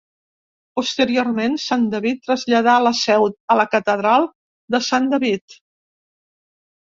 Posteriorment, sant David traslladarà la seu a la catedral de Sant David.